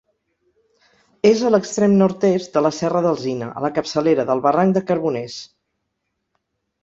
És a l'extrem nord-est de la Serra d'Alzina, a la capçalera del barranc de Carboners.